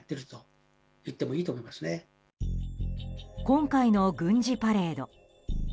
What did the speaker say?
今回の軍事パレード。